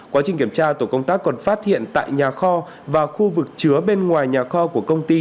quá trình kiểm tra tổ công tác còn phát hiện tại nhà kho và khu vực chứa bên ngoài nhà kho của công ty